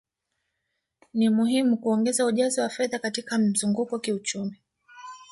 Ni muhimu kuongeza ujazo wa fedha katika mzunguko kiuchumi